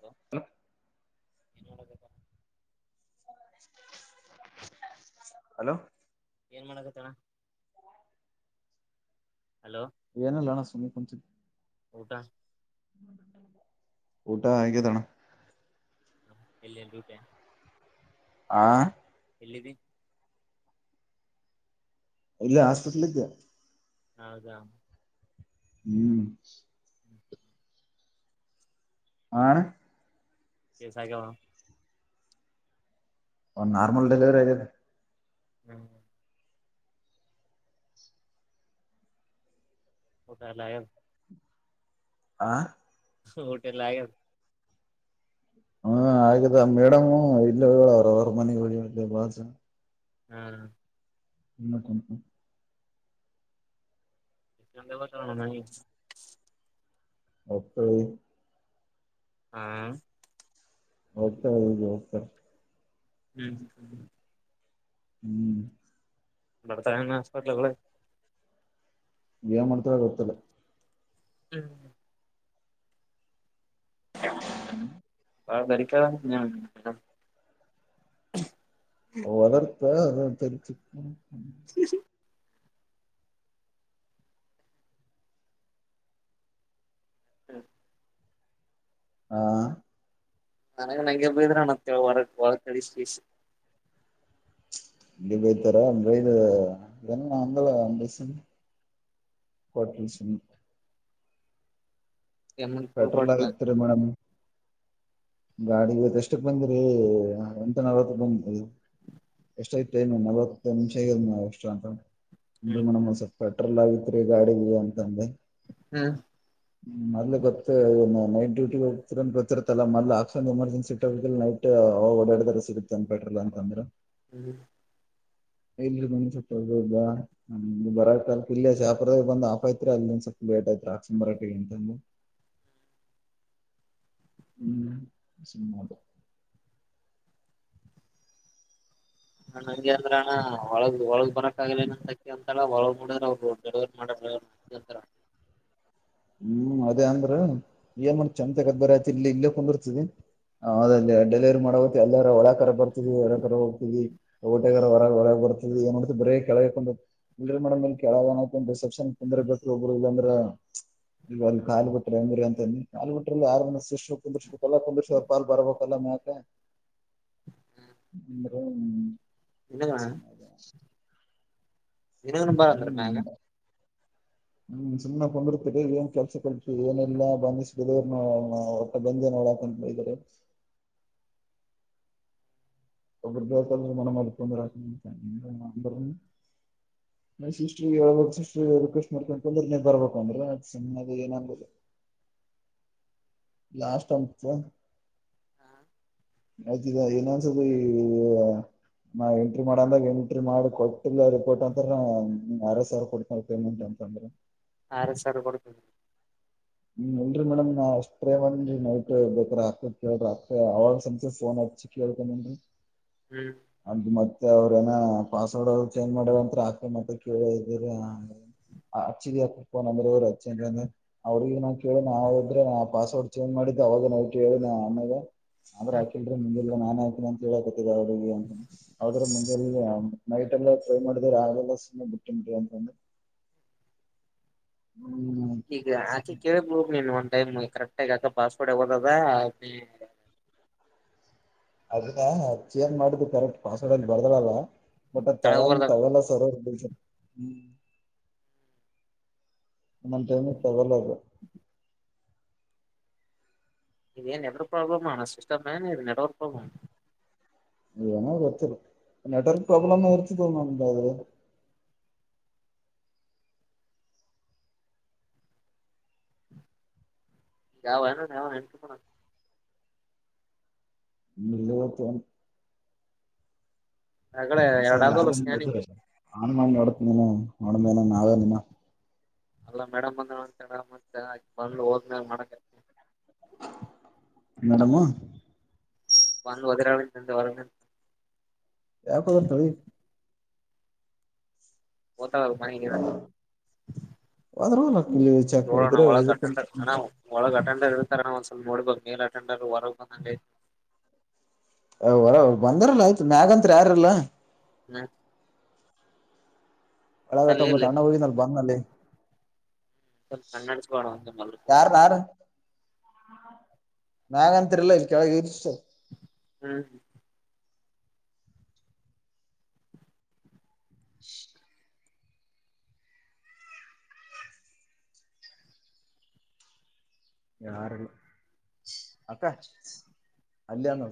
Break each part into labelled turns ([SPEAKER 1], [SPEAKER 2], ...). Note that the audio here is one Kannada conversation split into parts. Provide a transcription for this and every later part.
[SPEAKER 1] ಹ
[SPEAKER 2] ಹಲೋ
[SPEAKER 1] ಏನುಳ್ಳ [inaudible]
[SPEAKER 2] ಹಲೋ
[SPEAKER 1] ಏನ್ ಮಾಡಕತ್ತಣ ಹಲೋ
[SPEAKER 2] ಏನಲ್ಲಣ ಸುಮ್ಮಿ ಕೊಂಚ
[SPEAKER 1] ಊಟಾ
[SPEAKER 2] ಊಟ ಆಗೆದನ.
[SPEAKER 1] ಎಲ್ಲಿ ಡ್ಯೂಟಿ
[SPEAKER 2] ಆ
[SPEAKER 1] ಎಲ್ಲಿದಿ.
[SPEAKER 2] ಇಲ್ಲ ಹಾಸ್ಪಿಟಲ ಇದ್ದೆ.
[SPEAKER 1] ಹೌದಾ.
[SPEAKER 2] ಹ್ಮ. ಆ
[SPEAKER 1] ಕೆಸಾಗ
[SPEAKER 2] ಒನ್ ನಾರ್ಮಲ್ ಡೆಲಿವರಿ ಆಗಿದ.
[SPEAKER 1] ಹ್ಮ. ಊಟ ಎಲ್ಲ ಆಗ್ಯದ.
[SPEAKER 2] ಆ
[SPEAKER 1] ಊಟೆಲ್ಲ ಆಗೇದ.
[SPEAKER 2] ಹ್ಮ ಆಗಿದ್ದ ಮೇಡಮು ಇಲ್ಲಿ ಹೇಳ ಅವ್ರ ಅವರ ಮನೆ ಇಲ್ಲೇ ಬಾಜು
[SPEAKER 1] ಹ್ಮ.
[SPEAKER 2] ಕುನ್
[SPEAKER 1] [unintelligible]
[SPEAKER 2] [unintelligible]
[SPEAKER 1] ಹಾ
[SPEAKER 2] ಹೋಗ್ತಾಳ ಈಗ ಹೋಗ್ತಾಳ.
[SPEAKER 1] ಹ್ಮ್ ಹ್ಮ
[SPEAKER 2] ಹ್ಮ.
[SPEAKER 1] ಬರ್ತಾಳೇನ ಹಾಸ್ಪಿಟ್ಲ ಗಳೇ
[SPEAKER 2] ಏನ್ ಮಾಡ್ತಾಳ ಗೊತ್ತಿಲ್ಲ.
[SPEAKER 1] ಹ್ಮ. ಬಾಳ ಬೆರಿಕಿ ಆಳ ನಿಮ್ ಮೇಡಂ.
[SPEAKER 2] ವದರ್ತ ಅ ತಚು
[SPEAKER 1] [inaudible] ಹ
[SPEAKER 2] ಹಾ
[SPEAKER 1] [unintelligible]
[SPEAKER 2] ಹಂಗೆ ಬಯ್ತರ ಅಂದ ಇದು ಎನ ನಾ ಅಂದಲ್ಲ ಅಂದಸ ಕೊಟ್ಟಲ ಸುಮ್
[SPEAKER 1] ಎಮ್ಮನ್ ಕೂಳ್
[SPEAKER 2] ಪೆಟ್ರೋಲ್
[SPEAKER 1] ಕೊಟ್ಲ
[SPEAKER 2] ಆಗತ್ತ ರೀ ಮೇಡಮ್. ಗಾಡಿಗ ಇವತ್ ಎಷ್ಟಕ ಬಂದ್ರರಿ ಎಂಟ ನಲ್ವತ್ ಬಂದ ಎಷ್ಟ ಆಯ್ತ್ ಟೈಮ್ ನಲವತ್ತ ನಿಮಷ ಆಗ ಎಸ ರೀ
[SPEAKER 1] ಹ್ಮ್
[SPEAKER 2] ಮೇಡಮ್ ಒಂದ್ ಸ್ವಲ್ ಪೆಟ್ರೋಲ್ ಆಗತ್ರಿ ಗಾಡಿಗಿ ಅಂತಂದೆ.
[SPEAKER 1] ಹ್ಮ.
[SPEAKER 2] ಹ್ಮ್ ಮೊದ್ಲ ಗೊತ್ತ ಏನ್ ನೈಟ್ ಡ್ಯೂಟಿ ಹೋಗ್ತರ ಗೊತ್ತಿರತ್ತಲ್ಲ ಮದ್ಲ ಒ ಎಮರ್ಜೆನ್ಸಿ ಇಟ್ಟ ನೈಟ್ ಅವಾಗ ಓಡದರ ಸಿಗುತ್ತ ಅನ್ಪೆಟ್ರ ಅಂತಂದ್ರ.
[SPEAKER 1] ಹ್ಮ.
[SPEAKER 2] [unintelligible] ಬರಾಕ ಇಲ್ಲೇ ಶಪುರ ದಾಗ ಒಂದ ಆಫ್ ಐತ್ರಿ ಅಲ್ಲ ಎಟ ಅಯ್ತ್ರಿ ಹಕ್ಸ ಬರಕ ಅಂತ ಐತಿ ಅಂದು
[SPEAKER 1] [inaudible]
[SPEAKER 2] ಹ್ಮ್ ಸುಮ್ಮ ಆದ.
[SPEAKER 1] ಹ ಹಂಗೆ ಅಂದ್ರ ಅಣ್ಣ ಒಳಗ ಒಳಗ್ ಬರಕ್ ಆಗಲ್ಲೆನ ಅಂತ ಅಕಿ ಅಂತಳ ಒಳಗ ನೋಡಿದ್ರ ಅವರ ಡೆಲಿವರಿ ಮಾಡ [unintelligible]
[SPEAKER 2] ಹ್ಮ ಅದೇ ಅಂದ್ರ ಏನ ಮಾಡ ಚೆಮ ತಗದ್ ಬರ ಆಯತಿ ಇಲ್ಲಿ ಇಲ್ಲೇ ಕುಂದಿರ್ತದ. ಹೌದ ದ ಡೆಲಿವರಿ ಮಾಡ್ಬೇಕ ಅಲ್ಲ ಒಳ ಕರ ಬರ್ತೀದ್ವಿ ಹೊರಕರ ಹೋಗತಿದ್ವಿ ತೋಟಗಾರ ಹೊರಗ ಹೋರ ಬರ್ತವಿ ಈಗ ನೋಡಿದರೆ ಬರೇ ಕೆಳಗೆ ಕುಂತಿದ್ವಿ ಬಂದ್ರೆ ಮೇಡಂ, ಕೆಳಗೆ ಹೋಗೋಣ ರಿಸೆಪ್ಶನ್ ಕುಂದರಬೇಕ್ರೀ ಒಬ್ರು ಇಲ್ಲಂದ್ರೆ.
[SPEAKER 1] [inaudible]
[SPEAKER 2] ನೀವ ಅಲ್ಲಿ ಕಾಲಿ ಬಿಟ್ರೆ ಹೆಂಗ್ರಿ ಅಂತ ಅಂದೀ ಕಾಲಿ ಬಿಟ್ರೇ ಅಲ್ಲಿ ಯಾರನ ಶಿಷ್ಟ್ರು ಕುದುರೆಸಬೇಕಲ್ಲ ಕುಂತ್ರುಸಿ ಪಾಲ್ ಬರ್ಬೇಕಲ್ಲ ಮ ಅದಕ್
[SPEAKER 1] [inaudible] ನಿನಗಣ
[SPEAKER 2] ಹ್ಮ
[SPEAKER 1] ನಿನ್ನನ ಬಾ ಅಂದ್ರಮ್ಯಾಗ.
[SPEAKER 2] ಹ್ಮ್ ಹ್ಮ್ ಸುಮ್ ಕುಂದುರ್ತಿದ್ದಿ ಏನ್ ಕೆಲ್ಸ ಕಲ್ತವಿ ಏನೆಲ್ಲಾ [unintelligible] ಹೊಟ್ಟ ಬಂದ. [unintelligible] ಬೈದರೆ.
[SPEAKER 1] [inaudible]
[SPEAKER 2] ಒ ದಸ ಮನ ಅಲ್ಲಿ ಪೊಂದರಕ ಅರ
[SPEAKER 1] [inaudible]
[SPEAKER 2] ನಾ ಸಿಸ್ಟ್ರಿಗೆ ಹಳ್ಬೇಕು ಸಿಸ್ಟ್ರ ರಿಕ್ವೆಸ್ಟ್ ಮಾಡ್ಕಂತ ಅಂದ್ರೆ ನೀ ಬರ್ಬೇಕ ಅಂದ್ರು ನಾನು ಸುಮ್ಮನಾದೆ ಏನಂಬದು.
[SPEAKER 1] [inaudible]
[SPEAKER 2] ಲಾಸ್ಟ್ ಅಂಮತ್ಯ.
[SPEAKER 1] ಹ
[SPEAKER 2] ಬೈತಿದ್ದ ಇನ್ನೊಂದ್ ಸ್ವಲ್ಪ ನಾ ಎಂಟ್ರಿ ಮಾಡಂದಾಗ ಎಂಟ್ರಿ ಮಾಡಿ ಕೊಟ್ಟಿಲ್ಲ ರಿಪೋರ್ಟ್ ಅಂತಾರ ಆರ್ ಸಾವಿರ ಕೊಡ್ತನವ ಪೇಮೆಂಟ್ ಅಂತ ತಂದ್ರ.
[SPEAKER 1] ಆರ ಸವರ ಕೊಡ್ತೀರ.
[SPEAKER 2] ಹ್ಮ್ ಇಲ್ರರಿ ಮೇಡಮ್ ನಾ ಅಷ್ಟೇವನ್ರಿ ನೋ ಬೇಕ ಕೇಳ್ರಿ [unintelligible] [unintelligible] ಕೇಳ್ಕೊಂಡ್ ಬಂದು.
[SPEAKER 1] ಹ್ಮ್
[SPEAKER 2] ಅ ಮತ್ತೆ ಅವ್ರ ಏನ ಪಾಸ್ವರ್ಡ್ ಅವ ಚೇಂಜ್ ಮಾಡವಂತ ಆಕ ಮತ್ತೆ ಕೇಳ ಇದೀರ ಅಚ್ಚಿದಫೋನ್ ಅಂದ್ರೆರು [unintelligible] ನಾ ಕೇಳಿ ನಾವುದ್ರೆ ಪಾಸ್ವರ್ಡ್ ಚೇಂಜ್ ಮಾಡಿ. ಅವಾಗ ನಾವು ಕೇಳ ಅಮೇಗೆ ಆದ್ರ
[SPEAKER 1] ಹ್ಮ್
[SPEAKER 2] ಹಾಕಲ್ ನಿಗೆಲ್ಲಾ ನಾನೇ ಹಾಕಿನನ ಅಂತ ಹೇಳಕತಿದ್ದ ಅವ್ರಿಗೆ. ಹದ್ರೆ ಮುಂಜಾನೆನೇ ನೈಟ್ ಎಲ್ಲ ಟ್ರೈ ಮಾಡಿದೆ ರೀ ಆಗಲ್ಲ ಸುಮ್ಮನೆ ಬಿಟ್ಟಿನ್ ರೀ ಅಂತಂದ್ರೆ.
[SPEAKER 1] ಹ್ಮ
[SPEAKER 2] ಹ್ಮ್
[SPEAKER 1] ಈಗ ಆಕೆ ಕೇಳ ಹೋಗ ನೀನ್ ಒಂದ್ ಟೈಮ್ ಕರೆಕ್ಟ್ ಆಗ ಯಾಕ ಪಾಸ್ವರ್ಡ್ ಆಗೋದದ ಅಕಿ.
[SPEAKER 2] ಅದ ಚೇನ್ ಮಾಡಿದ್ದು ಕರೆಕ್ಟ್ ಪಾಸ್ವಡ್ ಬರ್ದಳಲ್ಲ. ಮಟ
[SPEAKER 1] ಕೆಳಗ್
[SPEAKER 2] ತಳ
[SPEAKER 1] ಬರ್ದ
[SPEAKER 2] ತಳಲ ಸರವ್ಮ [unintelligible] ಒಂದೊಂದ್ ಟೈಮ್ ತಗಲಲ್ಲ ಅದು.
[SPEAKER 1] ಇದ್ ಎನ ಯೋಧರ ಸಮಸ್ಯೆ ಏನ್ ನೆಟ್ವರ್ಕ್ ಪ್ರಾಬ್ಲಮ್
[SPEAKER 2] ಎನೋ ಗೋತ್ತಿಲ್ಲ ನೆಟ್ವರ್ಕ್ ಪ್ರಾಬ್ಲಮ ಇರ್ತಿದ್ವೋ [unintelligible]
[SPEAKER 1] ಯಾವನು ಹಾವ [unintelligible]
[SPEAKER 2] ಇವತ್ ಯೇನ್.
[SPEAKER 1] ಹೆಗಡೆ ಎರಡಾದಲ್ಲ ಸ್ಕ್ಯಾನಿಂಗ್
[SPEAKER 2] ಅನ್ ಮಾಡ ನೋಡುತ್ನ ನೋಡುದ್ ಮೇಲೆ ನಾನೇನ್ ಇಲ್ಲ.
[SPEAKER 1] ಅಲ್ಲಾ ಮೇಡಮ್ ಬಂದ್ರೇ ಒಂತರಾ ಮತ್ತ ಹಾಕಿ ಬಂದು ಹೋದ್ಮೇಲೆ ಮಾಡಕತಿ
[SPEAKER 2] ಮೇಡಮು.
[SPEAKER 1] ಬಂದುದು ಒದರಳಂತ ವರ
[SPEAKER 2] ಯ ಕೊತ ತ.
[SPEAKER 1] [unintelligible] ಮನಿಗೆ.
[SPEAKER 2] ಹೋದ್ರಲ್ಲ ಇಲ್ಲಿ ಚೆಕ್
[SPEAKER 1] ನೋಡಣ
[SPEAKER 2] ಇದ್ರ
[SPEAKER 1] ಒಳಗ್
[SPEAKER 2] ಇದಕ್
[SPEAKER 1] ಅಟೆಂಡರ್ ಅಣ್ಣ ಒಳಗಡೆ ಅಟೆಂಡರ್ ಇರ್ [unintelligible] ತರೇನೊ ಒಂದ್ಸಲ ನೋಡ್ ಬರಬೇಕು ಮೇಲ್ ಅಟೆಂಡರು ಹೊರಬಂದ.
[SPEAKER 2] ಅವ್ ಅವ್ ಬಂದಾರಲ್ಲ ಆಯ್ತು ಮ್ಯಾಗಂತ್ ಯಾರಿಲ್ಲ.
[SPEAKER 1] ಹ್ಮ
[SPEAKER 2] ಒಳ ಒಬ್ಬ
[SPEAKER 1] ಇರ್ಲಿ
[SPEAKER 2] ಅಣ್ಣ ಹೋಗಿದನಲ್ಲಿ ಬಂದ್ನಲ್ಲೇ.
[SPEAKER 1] ಕಣ್ಣಾಡಿಸಿಕೊಳ್ಳನ ಒಂದು [unintelligible]
[SPEAKER 2] ಮ್ಯಾಲೆಂತಿರಲ್ಲ ಇಲ್ಲಿ ಕೆಳಗಿಳಿಸು.
[SPEAKER 1] ಹ್ಮ್ ಹ್ಮ
[SPEAKER 2] [inaudible] ಯಾರಲ್ಲ ಅಕ್ಕ ಅಲ್ಲಾನ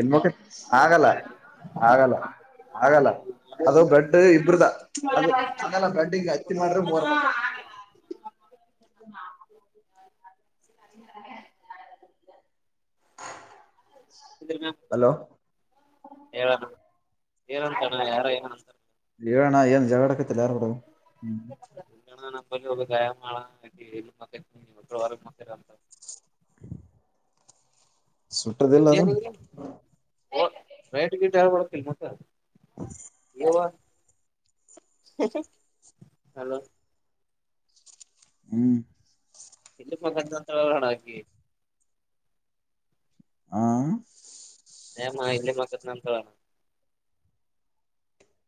[SPEAKER 2] ಎನ್ ಮುಖ ಆಗಲ್ಲ ಆಗಲ್ಲ ಆಗಲ್ಲ ಅದು ಬ್ರೆಡ್ ಇಬ್ರದ ಅದು ಅಲ್ಲ ಬ್ರೆಡ್ಂಗ ಹತ್ತಿ ಮಾಡ್ರೆ ಮರ್
[SPEAKER 1] ಹ
[SPEAKER 2] [inaudible] [inaudible]
[SPEAKER 1] ಇದ
[SPEAKER 2] ಹಲೋ
[SPEAKER 1] ಹೇಳಣ ಏನಂತಣ್ಣ ಯಾರೋ ಏನಂತಾರ
[SPEAKER 2] ಈಣ ಜಗಡೆಕ್ಕತ್ತಲ್ಲ ಯು ಕುಡ ಹ್ಮ
[SPEAKER 1] ದಯಾ ಮಾಡಳ ಎ ಮತ್ತ ಒವಾರ ಮತ್ತರ ಅಂತ
[SPEAKER 2] ಸುಟ್ಟ ದಲ್ಲ ಅದನು
[SPEAKER 1] ಓ ಬೇಟ ಗಿಟ ಹ [unintelligible] ಬತ್ತಲ್ ಮತ್ತ
[SPEAKER 2] ಹ
[SPEAKER 1] ಹಲೋ
[SPEAKER 2] ಹ್ಮ್
[SPEAKER 1] ಇಲ್ಲಿ ಮಗ ಅಂತಲೇನಾ ಹಾಕಿ
[SPEAKER 2] ಹ
[SPEAKER 1] ಮಾಯೆ ಮಕ್ಕತ್ನಲೇನಾ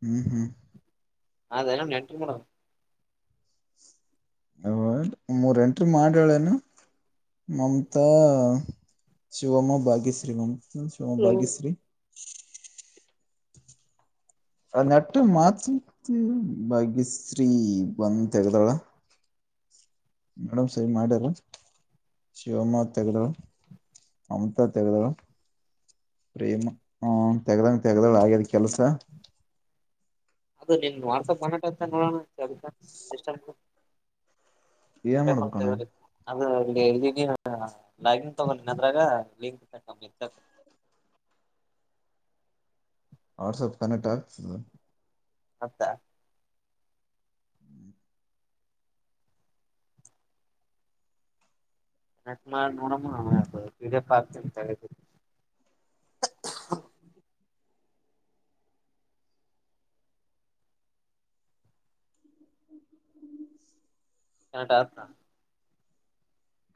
[SPEAKER 2] ಹ್ಮ್ ಹ್ಮ್
[SPEAKER 1] ಅದ ನ ಎಂಟ್ರಿ ಮಾಡ
[SPEAKER 2] ಹ ಮೂರ್ ಎಂಟ್ರ ಮಾಡಳೇನು ಮಮತ ಶಿವಮ್ಮ ಭಾಗ್ಯಶ್ರೀ ಮ ಶಿವಮೋ ಭಾಗ್ಯಶ್ರೀ ಅ ನೆಟ್ಟ ಮಾತ್ ಭಾಗ್ಯಶ್ರೀ ಬಂದ ತಗದಾಳ ಮೇಡಮ್ ಸರಿ ಮಾಡ್ಯಾರ ಶಿವಮ ತಗಾಳ ಮಮತಾ ತಗದಾಳ ಪ್ರೇಮ ಹ ತೆಗ್ದಂಗ ತೆಗ್ದಳ ಆಗ್ಯದ ಕೆಲ್ಸ
[SPEAKER 1] ಅದು ನಿನ್ ವಾಟ್ಸಪ್ ಮಾಡಂತ ನೋಡೋಣಷ್ಟ
[SPEAKER 2] ಏ ಮಾಡಬೇಕು ಕಣ
[SPEAKER 1] ಅದು ಅ ಲಾಗಿನ್ ತಗಳ ಅದ್ರಾಗ ಲಿಂಕ್ ತ್ ತ [inaudible]
[SPEAKER 2] ವಾಟ್ಸಪ್ ಕನೆಕ್ಟ್ ಆಗ್ತದೆ
[SPEAKER 1] ಹತ್ತಾ
[SPEAKER 2] ಹ್ಮ್
[SPEAKER 1] ಅ ಮಾಡ ನೋಡಮಾ ಪಿಡಿಎಫ್ ಹಾಕ್ತೀನಿ [unintelligible] ಕನೆಕ್ಟ್ ಆಗ್ತಾ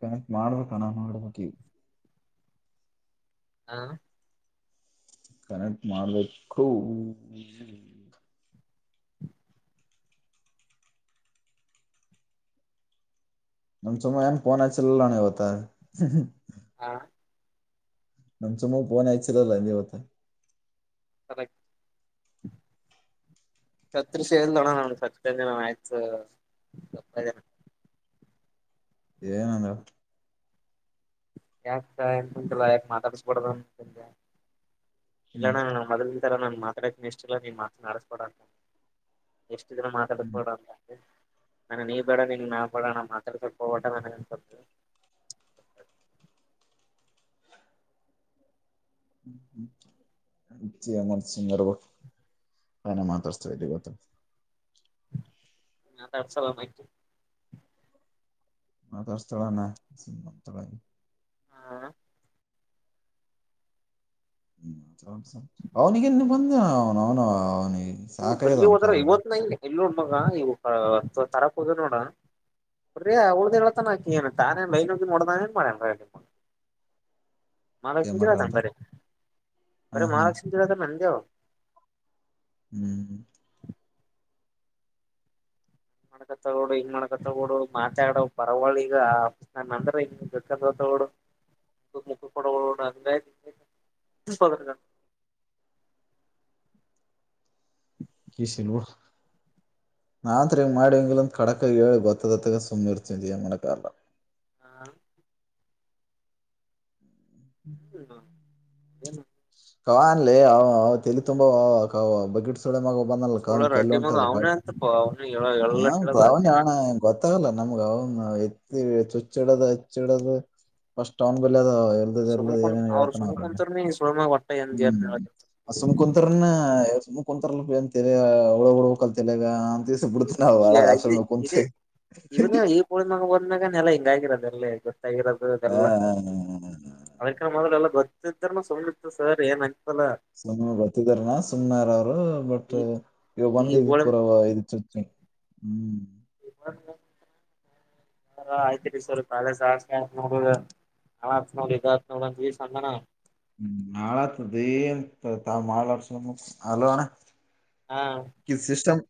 [SPEAKER 2] ಕನೆಕ್ಟ್ ಮಾಡ್ಬೇಕಣ ಮಾಡ್ಬೇಕ
[SPEAKER 1] ಹಾ
[SPEAKER 2] ಕನೆಕ್ಟ್ ಮಾಡ್ಬೇಕು ನಮ್ಮ ಸಮ ಏನ್ ಪೋನ ಅಚಲಿಲ್ಲನ ಇವತ್ತು
[SPEAKER 1] ಹಾ
[SPEAKER 2] ನಮ್ ಸುಮ ಫೋನ್ ಹಚ್ಚಲಿಲ್ಲ ಈವತ್ತ
[SPEAKER 1] ಕದ [unintelligible] ಸತಷ ತಣ ನ ಸ್ಜನ ಆಯತ್ ಸ್ಜನ [unintelligible]
[SPEAKER 2] ಏನಂದ
[SPEAKER 1] ಯಾಕ ಎಂತಲ್ಲ ಯಾಕ ಮಾತಾಡ್ಸ್ಬಡದ ಅ ಇಲ್ಲ
[SPEAKER 2] ಹ್ಮ್
[SPEAKER 1] ನ ಮೊದಲ್ ರ ನಾನು ಮಾತಾಡತೀನ ಇಷ್ಟಿಲ್ಲ ನೀ ಮಾತ ಆಡಸ್ಕೊಡ ಅಂತ ಎಷ್ಟು ದಿನ ಮಾತಾಡ
[SPEAKER 2] ಹ್ಮ್
[SPEAKER 1] ಕೊಡ ಅಂತೆ ನಾನ ನೀ ಬೇಡ ನೀ ನಾವ ಬೇಡ ನಮ್ಮ್ ಮಾತ್ರ ಸ್ವಲ್ಪ ಟ ನನ ಅನ್ಸ [unintelligible]
[SPEAKER 2] ಅಮನ್ ಸಿಂಗಬಟ್ [unintelligible] [unintelligible]
[SPEAKER 1] ಮಾತಾಡ್ಸಲ್ಲ ಅಣ ಹಾಕಿ
[SPEAKER 2] ಮಾಡ್ತಸ್ತಾಳೇನ [unintelligible] ಹ್ಮ ಅವನಿಗೆ ಬಂದ ಅವನು ಅವನು ಅವನಿಗೆ
[SPEAKER 1] ಇ
[SPEAKER 2] ಸಾಕಾಯದ
[SPEAKER 1] ಬರ್ಲಿ
[SPEAKER 2] ಅವನ
[SPEAKER 1] ಹೋದಾರ
[SPEAKER 2] ಕಾಲಾಗ
[SPEAKER 1] ಇವತ್ ನ ಇಲ್ಲ ಇಲ್ಲಿ ನೋಡ ಮಗ ಇವು ತರಾಕ್ ಹೋದ ನೋಡ ಬರಿ ಅವಳ್ಧೆ ಹೇಳಳ್ತಾನಕಿ ಏ ತಾರೇ ಲೈನ್ ಹೋಗ ನೋಡ್ದಾನ ಏನ್ ಮಾಡ್ಯನ್
[SPEAKER 2] ಏನ್
[SPEAKER 1] ಮಹಾಲಕ್ಷ್ಮಿದೇ
[SPEAKER 2] ಮಾಡ್ರ
[SPEAKER 1] ಹೇಳ್ತಾನೆ
[SPEAKER 2] ಅಂತ
[SPEAKER 1] ಬರ
[SPEAKER 2] ಹ
[SPEAKER 1] ಬರೇ
[SPEAKER 2] ಹಾ
[SPEAKER 1] ಮಹಾಲಕ್ಷ್ಮೀ ಚಿರತ ನಂದ ದೇವ
[SPEAKER 2] ಹ್ಮ್ ಹ್ಮ್
[SPEAKER 1] ಮಾದಕತಾಳೇನೋಡು ಹಿಂಗ ಮಾಡ್ಕ ತಗೋಡು ಮಾತಾಡ ಪರವಳಿ ಈಗ ನ ಅಂದ್ರೆ ಹಿಂಗ [unintelligible] [inaudible]
[SPEAKER 2] [unintelligible] ನಾತ್ರಿಗೆ ಮಾಡಡಿವೆಂಗು ಕಡಕ ಏಳು ಗೊತ್ತದತ್ತಕ ಸುಮ್ಮಿರುತಿದಿಯ ಮಣಕಾರಲ್ಲ
[SPEAKER 1] ಹ ಹ್ಮ ಹೇನು
[SPEAKER 2] ಕವಾ ಅನ್ಲಿ ತಲಿ ತುಂಬಾ [unintelligible] ಸುಳೆ ಮಗ ಬಂದಲ್ಲ ಕ
[SPEAKER 1] ಸೋಳಾರ
[SPEAKER 2] ಕಲ್ಲ
[SPEAKER 1] ಅಡ್ಡಿ ಮಗ
[SPEAKER 2] ಉಂಟದ
[SPEAKER 1] ಅವನೇ ಅಂತಪ್ಪ ಅವನು ಹೇಳ ಎಲ್ಲ ಹೇಳದ
[SPEAKER 2] ಹಾವಣ ಗೊತ್ತಾಗಲ್ಲ ನಮ್ಗನು ಎತ್ತಿ ಚುಚ್ಚಿಡದು ಹಚ್ಚಿಡದು ಪಸ್ಟ್ನ್ ಬದ ಹ ಇರ್ದದ
[SPEAKER 1] ಸುಮ
[SPEAKER 2] ಇರ್ಲ್ಲದ
[SPEAKER 1] ಕುಂತ್
[SPEAKER 2] ಏನೇನ
[SPEAKER 1] ಅವ್ರು
[SPEAKER 2] ಹೇಳ್ತಾನ
[SPEAKER 1] ಸುಮ
[SPEAKER 2] ಅವ್ರಗೆ
[SPEAKER 1] ಕುಂತರ್ನ ಸುಳಮಾಗ ಒಟ್ಟ ಎಂದ ಏನ್
[SPEAKER 2] ಹ್ಮ್
[SPEAKER 1] ಹೇಳಕತ್ತ
[SPEAKER 2] ಸುಮಕುಂತರ ಕುಂತರ್ ಏಲ ಒಳಗಡಬೇಕ ಅಲ್ ತಲೆಗ
[SPEAKER 1] ಈಗ ಈಗ
[SPEAKER 2] [unintelligible]
[SPEAKER 1] ಇದೇ
[SPEAKER 2] ಸುಮ್ನೆ
[SPEAKER 1] ಇದೇ
[SPEAKER 2] ಕುಂತಿ
[SPEAKER 1] ಇವನೇ ಈ ಕೋಳಿ ಗರೋದು ಇದೆಲ್ಲ ಅಳ್ಕ ಮದ್ಲು ಎಲ್ಲ ಗೊತ್ತಿದ್ರನು ಸುಮ್ ಇತ್ತು ಸರ್ ಏನಂಗ
[SPEAKER 2] ಸುಮ್ನೆ ಬರ್ತಿದಾರನಾ ಸುಮ್ನೆಾರ ಅವರು ಬಟ್
[SPEAKER 1] ಈ
[SPEAKER 2] ಇವಾಗ
[SPEAKER 1] ಈ
[SPEAKER 2] ಬಂದ್ ಇದ
[SPEAKER 1] ಗೋಳಿ
[SPEAKER 2] ಪೂರವ ಇದ ಹ್ಮ್
[SPEAKER 1] ಹ [unintelligible] ಹ ಆಯ್ತ್ರಿ ಸರ್ ಪ್ಯಾಲೇಸ್ ಆಕ್ ನೋಡ [unintelligible]
[SPEAKER 2] ಹ್ಮ ನಾಳ ಆಗ್ತದೆ ಎ ಮಾಡಳಡ್ಸ ಅಲೋಣ್ಣ
[SPEAKER 1] ಹಾ
[SPEAKER 2] ಕ ಸಿಸಟಮ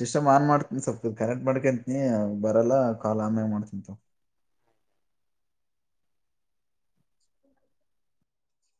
[SPEAKER 2] ಸಿಸ್ಟಮ್ ಆನ್ ಮಾಡ್ತನ್ ಸ್ವಲ್ಪ ಕನೆ ಕ್ಟ್ ಮಾಡ್ಕಂತನಿ ಬರಲ್ಲ ಕಾಲ್ ಆಮೇ ಮಾಡ್ತನ್
[SPEAKER 1] [inaudible]